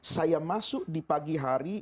saya masuk di pagi hari